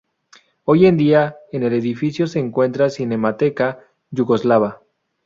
Hoy en día en el edificio se encuentra Cinemateca yugoslava.